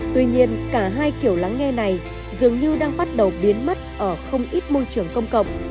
tuy nhiên cả hai kiểu lắng nghe này dường như đang bắt đầu biến mất ở không ít môi trường công cộng